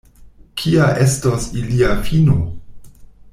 Kia estos ilia fino?